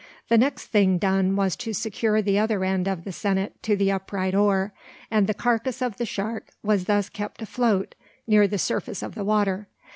The next thing done was to secure the other end of the sennit to the upright oar; and the carcass of the shark was thus kept afloat near the surface of the water.